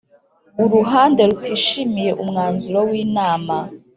Uruhande rutishimiye umwanzuro w Inama